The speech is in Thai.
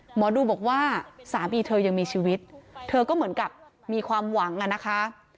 หมอดูบอกว่าสามีเธอยังมีชีวิตเธอก็เหมือนกับมีความหวังอะนะคะ